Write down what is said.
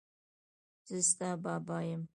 زه ستا بابا یم.